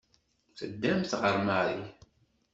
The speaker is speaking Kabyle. Teddamt ɣer Marie.